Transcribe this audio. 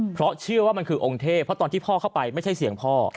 เพราะเชื่อว่ามันคือองค์เทพเพราะตอนที่พ่อเข้าไปไม่ใช่เสียงพ่อ